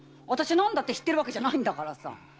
私は何だって知ってるわけじゃないんだから。